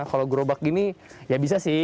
kalau gerobak gini ya bisa sih